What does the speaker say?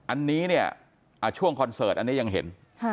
อันนี้เนี่ยช่วงคอนเสิร์ตอันนี้ยังเห็น